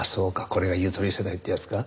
これがゆとり世代ってやつか。